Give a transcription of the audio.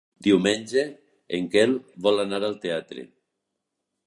Diumenge en Quel vol anar al teatre.